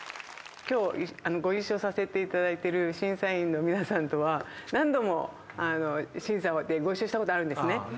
今日ご一緒させていただいてる審査員の皆さんとは何度も審査でご一緒したことあるんですね。